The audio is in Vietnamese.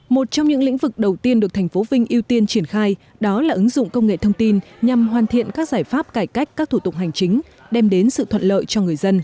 một trong những lĩnh vực đầu tiên được thành phố vinh ưu tiên triển khai đó là ứng dụng công nghệ thông tin nhằm hoàn thiện các giải pháp cải cách các thủ tục hành chính đem đến sự thuận lợi cho người dân